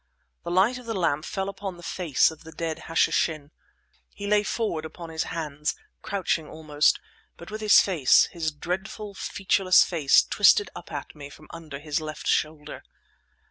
The light of the lamp fell upon the face of the dead Hashishin. He lay forward upon his hands, crouching almost, but with his face, his dreadful, featureless face, twisted up at me from under his left shoulder.